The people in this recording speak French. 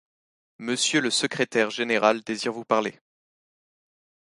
Monsieur le secrétaire général désire vous parler.